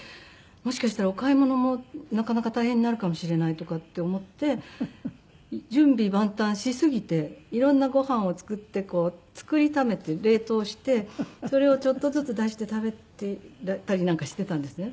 もしかしたらお買い物もなかなか大変になるかもしれないとかって思って準備万端しすぎて色んなご飯を作って作りためて冷凍してそれをちょっとずつ出して食べていたりなんかしていたんですね。